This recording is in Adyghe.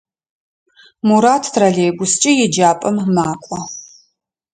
Мурат троллейбускӏэ еджапӏэм макӏо.